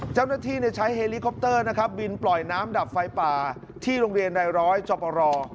เจ้าหน้าที่ใช้เฮลิคอปเตอร์บินปล่อยน้ำดับไฟป่าเญี่ยวที่โรงเรียนไนร้อยจบหล่อ